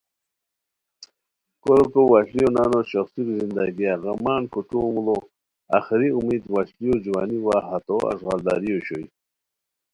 کوریکو وشلیو نانو شوخڅیرو زندگیہ غمان کھوٹو موژو آخری امید وشلیو جوانی وا ہتو اݱغالداری اوشوئے